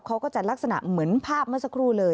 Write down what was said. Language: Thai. เขาก็จะลักษณะเหมือนภาพเมื่อสักครู่เลย